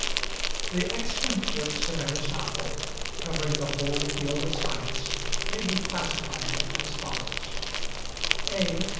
The extant works of Aristotle, covering the whole field of science, may be classified as follows: A.